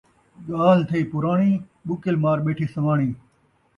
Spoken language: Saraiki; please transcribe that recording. ڳالھ تھئی پراݨی ، ٻکّل مار ٻیٹھی سواݨی